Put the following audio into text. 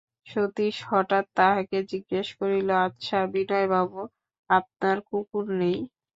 সতীশ হঠাৎ তাহাকে জিজ্ঞাসা করিল, আচ্ছা বিনয়বাবু, আপনার কুকুর নেই?